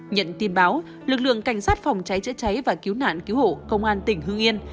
nhận tin báo lực lượng cảnh sát phòng cháy chữa cháy và cứu nạn cứu hộ công an tỉnh hương yên